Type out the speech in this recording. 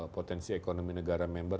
potensi ekonomi negara member